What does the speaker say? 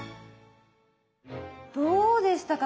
どうでしたか？